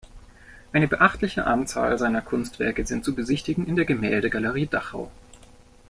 Eine beachtliche Anzahl seiner Kunstwerke sind zu besichtigen in der Gemäldegalerie Dachau.